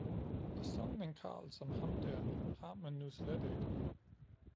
Og sådan en karl, som ham der, har man nu slet ikke!